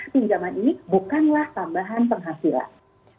pinjaman ini bukanlah tambahan penghasilan